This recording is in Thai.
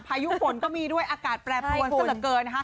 พายุฝนก็มีด้วยอากาศแปรบทวนซะละเกิน